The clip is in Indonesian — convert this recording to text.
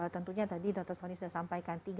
tentunya tadi dr sony sudah sampaikan